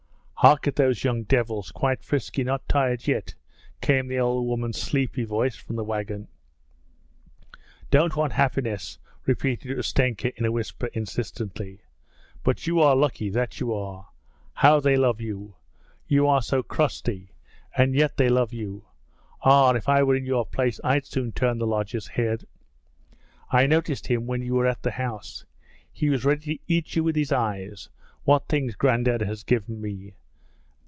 'Hark at those young devils! Quite frisky! Not tired yet!' came the old woman's sleepy voice from the wagon. 'Don't want happiness,' repeated Ustenka in a whisper, insistently. 'But you are lucky, that you are! How they love you! You are so crusty, and yet they love you. Ah, if I were in your place I'd soon turn the lodger's head! I noticed him when you were at our house. He was ready to eat you with his eyes. What things Grandad has given me!